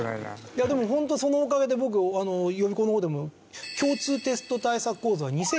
いやでもホントそのおかげで僕予備校の方でも。